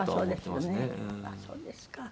あっそうですか。